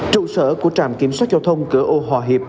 trụ sở của trạm kiểm soát giao thông cửa ô hòa hiệp